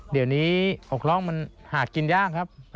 เดี๋ยวนี้อกร่องมันหากินยากครับ